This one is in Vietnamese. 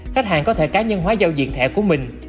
khách hàng có thể cá nhân hóa giao diện thẻ của mình